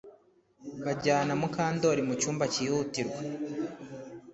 Bajyana Mukandoli mu cyumba cyihutirwa